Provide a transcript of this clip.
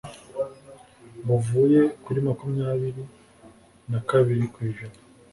buvuye kuri makumyabiri nakabiri kwijana